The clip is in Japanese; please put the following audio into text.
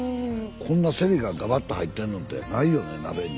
こんなせりががばっと入ってんのってないよね鍋に。